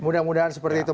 mudah mudahan seperti itu